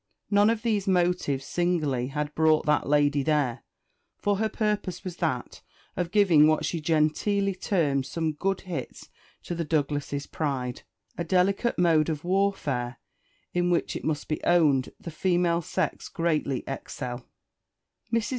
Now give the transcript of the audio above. None of these motives, singly, had brought that lady there, for her purpose was that of giving what she genteelly termed some good hits to the Douglas's pride a delicate mode of warfare, in which, it must be owned, the female sex greatly excel. Mrs.